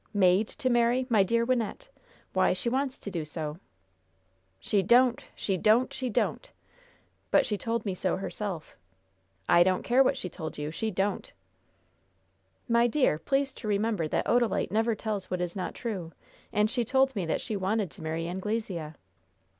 "'Made' to marry, my dear Wynnette! Why, she wants to do so." "She don't! she don't! she don't!" "But she told me so herself." "I don't care what she told you. She don't." "My dear, please to remember that Odalite never tells what is not true. And she told me that she wanted to marry Anglesea."